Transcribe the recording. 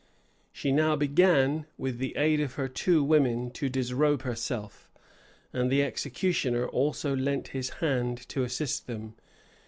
She now began, with the aid of her two women, to disrobe herself; and the executioner also lent his hand to assist them.